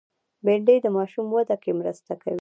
بېنډۍ د ماشوم وده کې مرسته کوي